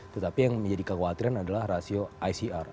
tetapi yang menjadi kekhawatiran adalah rasio icr